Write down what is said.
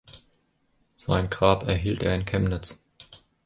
Sein Grab erhielt er in Chemnitz.